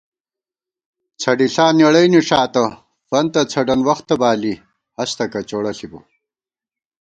څھڈیݪا نېڑَئی نِݭاتہ فنتہ څھڈَن وختہ بالی ہستہ کچوڑہ ݪِبہ